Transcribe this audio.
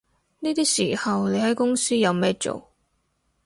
呢啲時候你喺公司有咩做